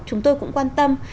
chúng tôi cũng quan tâm